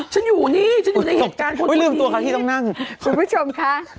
คุณผู้ชมคะ